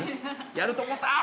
やると思った。